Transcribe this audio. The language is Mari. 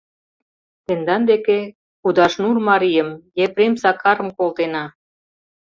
Тендан деке Кудашнур марийым Епрем Сакарым — колтена.